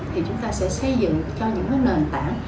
thì chúng ta sẽ xây dựng cho những nền tảng